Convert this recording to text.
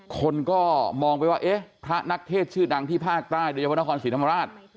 คนก็มองไปว่าเอ๊ะพระนักเทศชื่อดังที่ภาคใต้โดยเฉพาะนครศรีธรรมราช